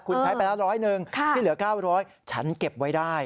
คุณใช้ไปละ๑๐๐นึงที่เหลือ๙๐๐ฉันเก็บไว้ได้